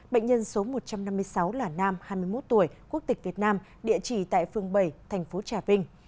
bệnh nhân số một trăm năm mươi sáu là nam hai mươi một tuổi quốc tịch việt nam địa chỉ tại phường bảy thành phố trà vinh